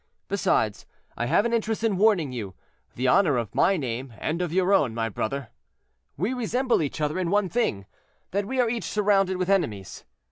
Besides, I have an interest in warning you—the honor of my name and of your own, my brother. We resemble each other in one thing, that we are each surrounded with enemies.